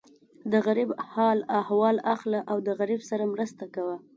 د غریب حال احوال اخله او د غریب سره مرسته کوه.